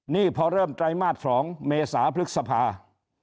นี่พอเริ่มไตรมาส๒เมษาพฤษภา